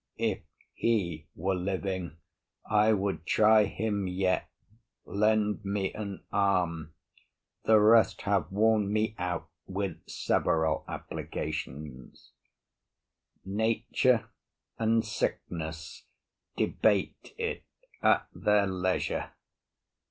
If he were living, I would try him yet;— Lend me an arm;—the rest have worn me out With several applications; nature and sickness Debate it at their leisure.